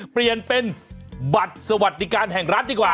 เปลี่ยนเป็นบัตรสวัสดิการแห่งรัฐดีกว่า